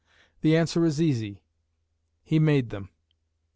The answer is easy. He made them.